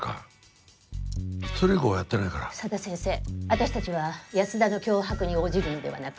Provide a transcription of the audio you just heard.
私達は安田の脅迫に応じるのではなく